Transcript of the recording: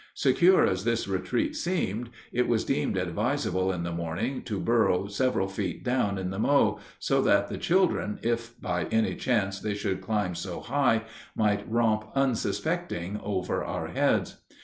Secure as this retreat seemed, it was deemed advisable in the morning to burrow several feet down in the mow, so that the children, if by any chance they should climb so high, might romp unsuspecting over our heads.